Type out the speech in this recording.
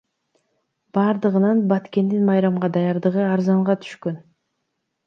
Бардыгынан Баткендин майрамга даярдыгы арзанга түшкөн.